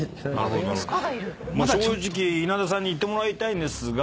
正直稲田さんに行ってもらいたいんですが。